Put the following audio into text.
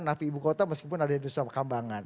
napi ibu kota meskipun ada nusa kebangan